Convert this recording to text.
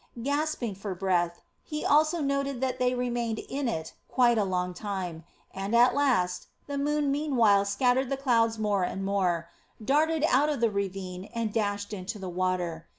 Gasping for breath, he also noted that they remained in it quite a long time, and at last the moon meanwhile scattered the clouds more and more darted out of the ravine, and dashed to the water.